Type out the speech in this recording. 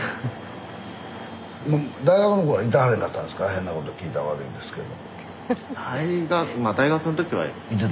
変なこと聞いたら悪いですけど。